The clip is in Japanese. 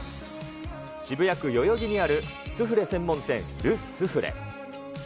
渋谷区代々木にあるスフレ専門店、ル・スフレ。